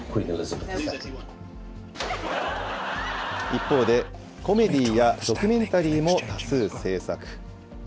一方で、コメディーやドキュメンタリーも多数制作。